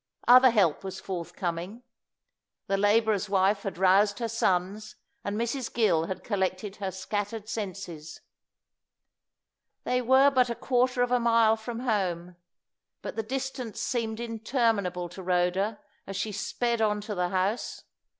Other help was forthcoming. The labourer's wife had roused her sons, and Mrs. Gill had collected her scattered senses. They were but a quarter of a mile from home, but the distance seemed interminable to Rhoda as she sped on to the house.